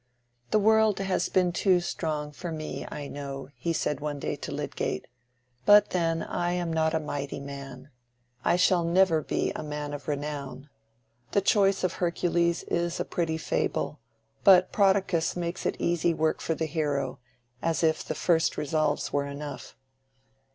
"The world has been too strong for me, I know," he said one day to Lydgate. "But then I am not a mighty man—I shall never be a man of renown. The choice of Hercules is a pretty fable; but Prodicus makes it easy work for the hero, as if the first resolves were enough.